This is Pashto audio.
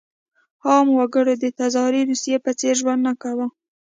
عامه وګړو د تزاري روسیې په څېر ژوند نه کاوه.